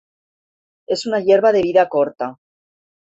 Es una hierba de vida corta.